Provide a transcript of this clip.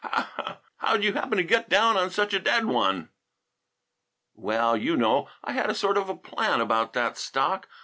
How'd you happen to get down on such a dead one?" "Well, you know, I had a sort of a plan about that stock.